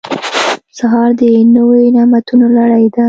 سهار د نوي نعمتونو لړۍ ده.